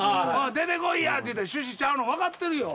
「出てこいや」って趣旨ちゃうの分かってるよ。